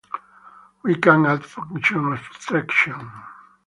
we can add function abstraction